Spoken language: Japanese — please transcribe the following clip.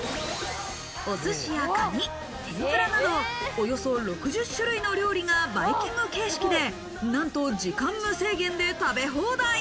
お寿司やカニ、天ぷらなど、およそ６０種類の料理がバイキング形式で何と時間無制限で食べ放題。